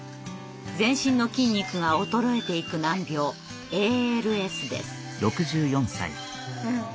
全身の筋肉が衰えていく難病ＡＬＳです。